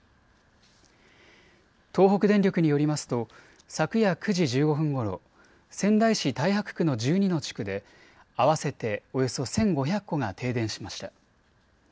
東北電力によりますと昨夜９時１５分ごろ、仙台市太白区の１２の地区で合わせておよそ１５００戸が停電しました。